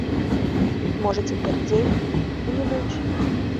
Можа, цяпер дзень, а не ноч?